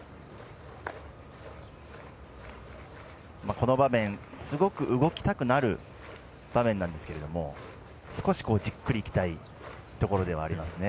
この場面、すごく動きたくなる場面なんですけど少しじっくりいきたいところではありますね。